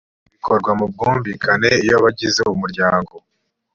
bikorwa mu bwumvikane iyo abagize umuryango